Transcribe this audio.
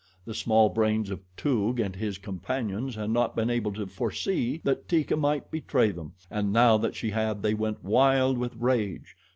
The small brains of Toog and his companions had not been able to foresee that Teeka might betray them, and now that she had, they went wild with rage.